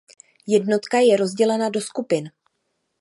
Jednotka je rozdělena do skupin.